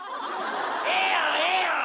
ええやんええやん！